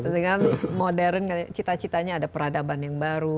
dengan modern cita citanya ada peradaban yang baru